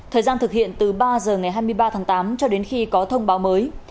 thời gian thực hiện từ ba giờ ngày hai mươi ba tháng tám cho đến khi có thông báo mới